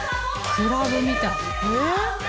クラブみたい。